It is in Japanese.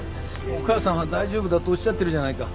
お母さんは大丈夫だとおっしゃってるじゃないか。